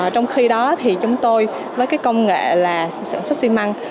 trong khi đó thì chúng tôi với cái công nghệ là sản xuất xi măng